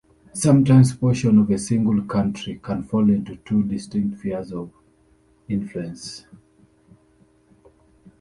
Sometimes portions of a single country can fall into two distinct spheres of influence.